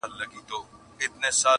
حاکم وویل بهتره ځای شېراز دئ،